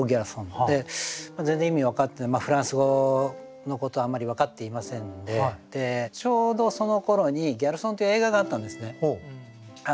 全然意味分かってないフランス語のことはあんまり分かっていませんでちょうどそのころに「ギャルソン！」っていう映画があったんですね。